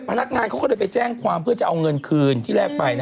พนักงานเขาก็เลยไปแจ้งความเพื่อจะเอาเงินคืนที่แรกไป